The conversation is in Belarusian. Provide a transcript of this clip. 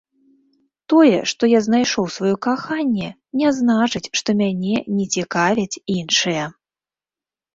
Тое, што я знайшоў сваё каханне, не значыць, што мяне не цікавяць іншыя.